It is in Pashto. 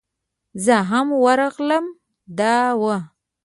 زه هم ورغلم دا و.